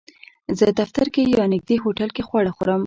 زه دفتر کې یا نږدې هوټل کې خواړه خورم